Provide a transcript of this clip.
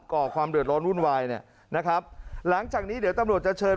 ก่อความเดือดร้อนวุ่นวายเนี่ยนะครับหลังจากนี้เดี๋ยวตำรวจจะเชิญ